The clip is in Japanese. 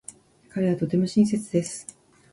彼はとても親切です。